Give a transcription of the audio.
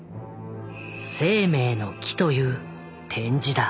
「生命の樹」という展示だ。